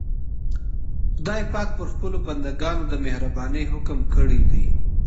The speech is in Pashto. خدای پاک پر خپلو بندګانو د مهربانۍ حکم کړی دی.